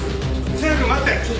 星也くん待って！